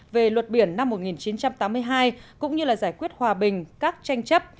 về luật biển năm một nghìn chín trăm tám mươi hai cũng như giải quyết hòa bình các tranh chấp